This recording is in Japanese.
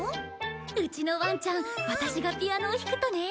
うちのワンちゃんワタシがピアノを弾くとね。